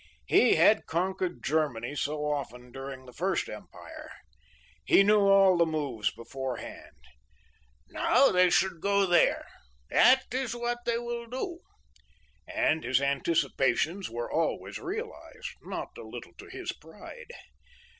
He had conquered Germany so often during the First Empire. He knew all the moves beforehand. 'Now they should go there. This is what they will do,' and his anticipations were always realized, not a little to his pride.